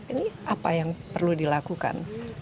ini apa yang perlu dilakukan